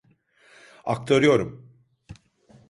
Aktarıyorum.